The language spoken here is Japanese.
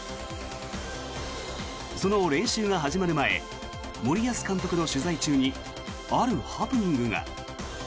その練習が始まる前森保監督の取材中にあるハプニングが。